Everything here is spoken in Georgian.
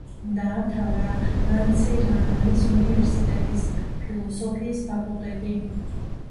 დაამთავრა ანცირანანის უნივერსიტეტის ფილოსოფიის ფაკულტეტი.